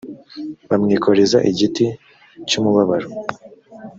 bamwikoreza igiti cy’umubabaro